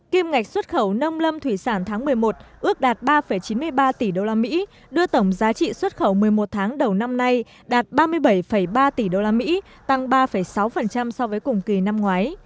kim ngạch xuất khẩu nông lâm thủy sản tháng một mươi một ước đạt ba chín mươi ba tỷ usd đưa tổng giá trị xuất khẩu một mươi một tháng đầu năm nay đạt ba mươi bảy ba tỷ usd tăng ba sáu so với cùng kỳ năm ngoái